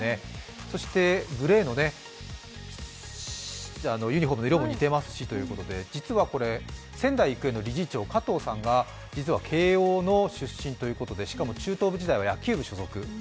そしてグレーのユニフォームの色も似てますしということで実はこれ、仙台育英の理事長、加藤さんが実は慶応の出身ということで、しかも中等部時代は野球部所属。